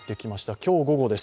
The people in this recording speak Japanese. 今日午後です。